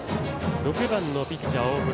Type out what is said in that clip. ６番のピッチャー、大室。